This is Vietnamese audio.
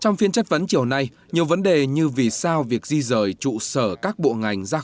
trong phiên chất vấn chiều nay nhiều vấn đề như vì sao việc di rời trụ sở các bộ ngành ra khỏi nhà ở xã hội